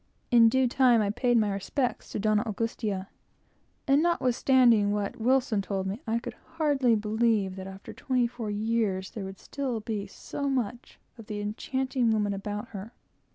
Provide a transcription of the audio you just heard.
In due time I paid my respects to Doña Augustia, and notwithstanding what Wilson told me, I could hardly believe that after twenty four years there would still be so much of the enchanting woman about her.